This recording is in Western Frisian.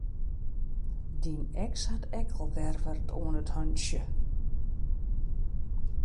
Dyn eks hat ek al wer wat oan 't hantsje.